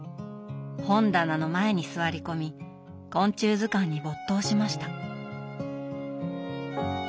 本棚の前に座り込み昆虫図鑑に没頭しました。